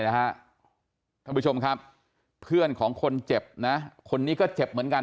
ท่านผู้ชมครับเพื่อนของคนเจ็บนะคนนี้ก็เจ็บเหมือนกัน